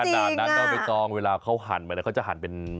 ไม่ถึงขนาดนั้นก็ไม่ต้องเวลาเค้าหันมาเขาจะหันเป็น